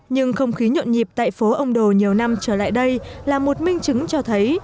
nhưng không khí nhộn nhịp tại phố ông đồ nhiều năm trở lại đây là một minh chứng cho thấy